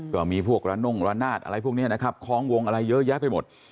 ก็มีพวกระน่งระนาดอะไรพวกนี้นะครับคล้องวงอะไรเยอะแยะไปหมด